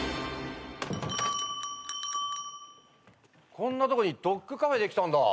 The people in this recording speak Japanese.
・こんなとこにドッグカフェできたんだ。